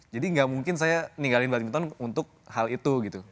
jadi gak mungkin saya ninggalin badminton untuk hal itu gitu